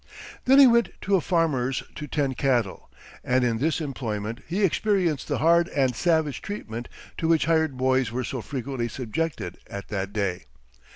Then he went to a farmer's to tend cattle, and in this employment he experienced the hard and savage treatment to which hired boys were so frequently subjected at that day.